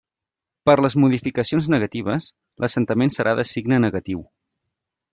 Per les modificacions negatives, l'assentament serà de signe negatiu.